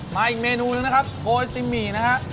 มาอีกเมนูนึงนะครับโกยซิมี